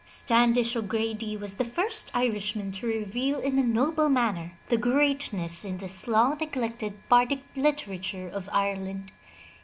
Standish O'Grady was the first Irishman to reveal in a noble manner the greatness in this long neglected bardic literature of Ireland.